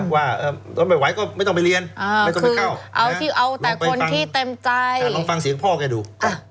ว่าต้องไปไหวก็ไม่ต้องไปเรียนคือเอาแต่คนที่เต็มใจลองฟังเสียงพ่อแกดู